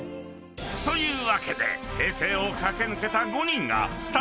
［というわけで平成を駆け抜けた５人が］最高。